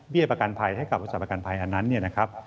ประกันภัยให้กับบริษัทประกันภัยอันนั้นเนี่ยนะครับ